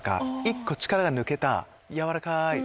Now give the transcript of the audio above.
一個力が抜けたやわらかい。